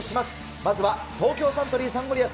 まずは東京サントリーサンゴリアス。